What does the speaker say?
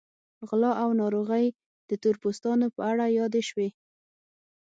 غلا او ناروغۍ د تور پوستانو په اړه یادې شوې.